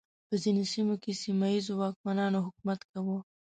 په ځینو سیمو کې سیمه ییزو واکمنانو حکومت کاوه.